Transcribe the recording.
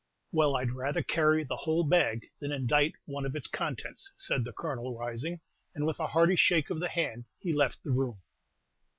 "Well, I'd rather carry the whole bag than indite one of its contents," said the Colonel, rising; and, with a hearty shake of the hand, he left the room.